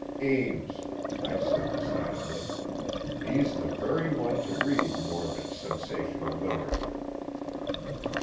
"Ames," I said decidedly. "He's the very one to read morbid, sensational literature."